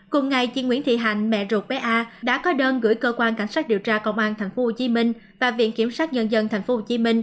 cùng ngày chị nguyễn thị hạnh mẹ ruột bé a đã có đơn gửi cơ quan cảnh sát điều tra công an tp hcm và viện kiểm sát nhân dân tp hcm